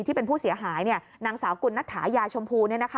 ที่เป็นผู้เสียหายนางสาวกุณนัตถายาชมพู